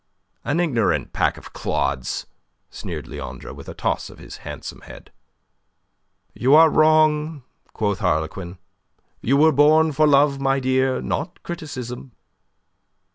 "An ignorant pack of clods," sneered Leandre, with a toss of his handsome head. "You are wrong," quoth Harlequin. "You were born for love, my dear, not criticism."